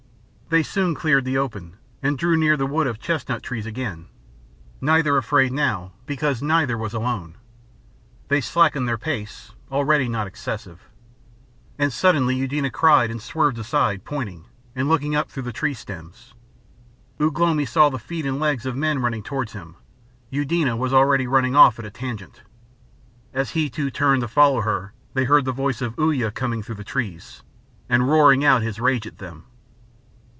They soon cleared the open, and drew near the wood of chestnut trees again neither afraid now because neither was alone. They slackened their pace, already not excessive. And suddenly Eudena cried and swerved aside, pointing, and looking up through the tree stems. Ugh lomi saw the feet and legs of men running towards him. Eudena was already running off at a tangent. And as he too turned to follow her they heard the voice of Uya coming through the trees, and roaring out his rage at them.